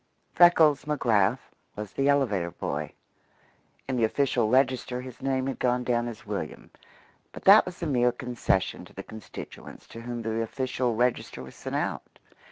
Freckles McGrath was the elevator boy. In the official register his name had gone down as William, but that was a mere concession to the constituents to whom the official register was sent out.